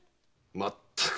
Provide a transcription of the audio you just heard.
まったく！